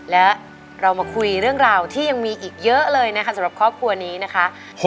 และเรามาคุยเรื่องราวที่ยังมีอีกเยอะเลยนะคะสำหรับครอบครัวนี้นะคะ